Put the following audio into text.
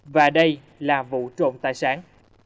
và đây là vụ trộn tài sản